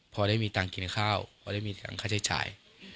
พอได้มีตังค์กินข้าวพอได้มีค่าใช้จ่าย